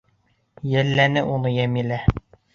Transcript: Йәлләне уны Йәмилә.